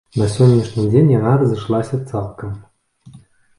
На сённяшні дзень яна разышлася цалкам.